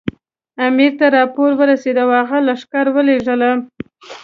امیر ته راپور ورسېد او هغه لښکر ورولېږه.